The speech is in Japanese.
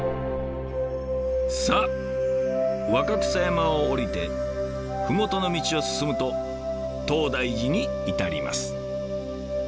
さあ若草山を下りて麓の道を進むと東大寺に至ります。